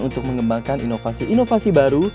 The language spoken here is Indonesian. untuk mengembangkan inovasi inovasi baru